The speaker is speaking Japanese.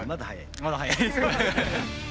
まだ早いですか。